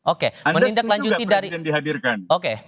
oke anda setuju nggak presiden dihadirkan